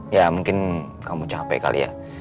ya mungkin kamu capek kali ya